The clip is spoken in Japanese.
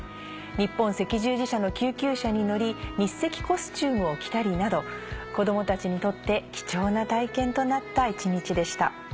日本赤十字社の救急車に乗り日赤コスチュームを着たりなど子供たちにとって貴重な体験となった一日でした。